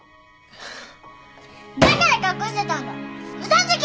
だから隠してたんだ嘘つき。